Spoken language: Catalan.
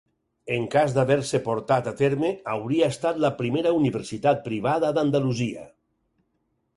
En cas d'haver-se portat a terme, hauria estat la primera universitat privada d'Andalusia.